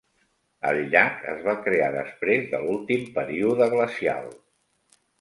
El llac es va crear després de l'últim període glacial.